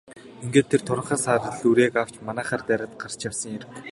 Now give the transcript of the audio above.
Ингээд тэр туранхай саарал үрээг авч манайхаар дайраад гарч явсан хэрэг.